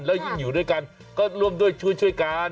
แล้วยิ่งอยู่ด้วยกันก็ร่วมด้วยช่วยกัน